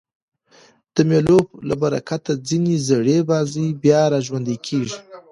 د مېلو له برکته ځیني زړې بازۍ بیا راژوندۍ کېږي.